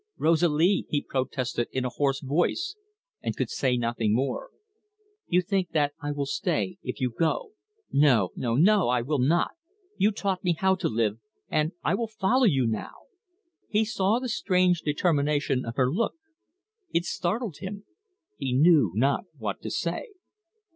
"Rosalie!" he protested in a hoarse voice, and could say nothing more. "You think that I will stay, if you go! No, no, no I will not. You taught me how to live, and I will follow you now." He saw the strange determination of her look. It startled him; he knew not what to say.